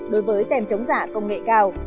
đối với tem chống giả công nghệ cao